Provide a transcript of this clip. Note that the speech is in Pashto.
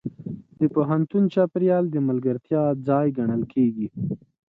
د پوهنتون چاپېریال د ملګرتیا ځای ګڼل کېږي.